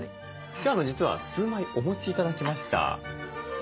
今日実は数枚お持ち頂きました。